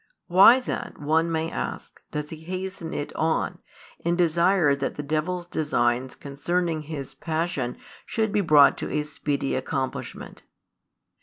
Why then, one may ask, does He hasten it on, and desire that the devil's designs concerning His passion should be brought to a speedy accomplishment?